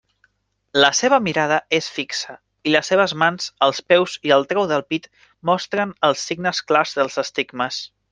La seva mirada és fi xa, i les seves mans, els peus i el trau del pit mostren els signes clars dels estigmes.